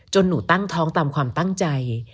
หนูตั้งท้องตามความตั้งใจ